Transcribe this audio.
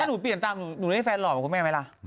ถ้าหนูเปลี่ยนตามหนูได้ให้แฟนหล่อเหมือนคุณแม่ไหมล่ะ